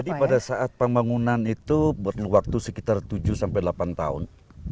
jadi pada saat pembangunan itu berwaktu sekitar tujuh sampai delapan tahun